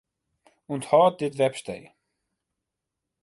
Unthâld dit webstee.